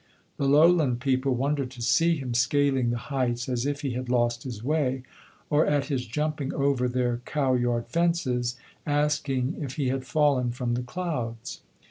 The lowland people wondered to see him scaling the heights as if he had lost his way, or at his jumping over their cow yard fences, asking if he had fallen from the clouds.